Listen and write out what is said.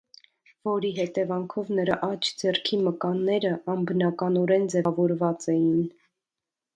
Որի հետևանքով նրա աջ ձեռքի մկանները անբնականորեն ձևավորված էին։